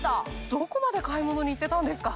どこまで買い物に行ってたんですか？